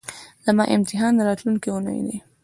زما امتحان راتلونکۍ اونۍ ده